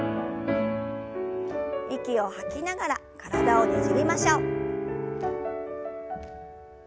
息を吐きながら体をねじりましょう。